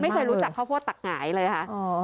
ไม่เคยรู้จักข้าวโพดตักหงายเลยค่ะ